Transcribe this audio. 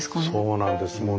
そうなんです。